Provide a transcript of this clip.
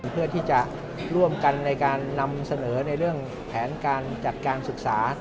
เพื่อที่จะร่วมกันในการนำเสนอในเรื่องแผนการจัดการศึกษา